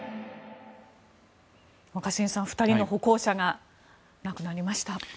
若新さん２人の歩行者が亡くなりました。